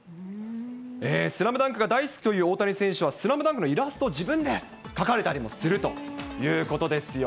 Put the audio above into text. スラムダンクが大好きという大谷選手は、スラムダンクのイラストを自分で描かれたりもするということですよ。